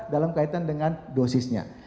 dalam kaitan dengan dosisnya